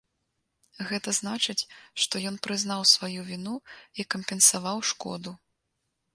Гэта значыць, што ён прызнаў сваю віну і кампенсаваў шкоду.